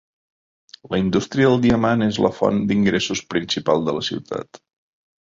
La indústria del diamant és la font d'ingressos principal de la ciutat.